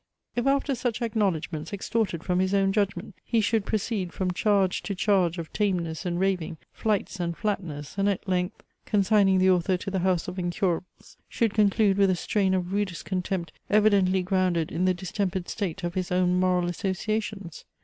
if after such acknowledgments extorted from his own judgment he should proceed from charge to charge of tameness and raving; flights and flatness; and at length, consigning the author to the house of incurables, should conclude with a strain of rudest contempt evidently grounded in the distempered state of his own moral associations?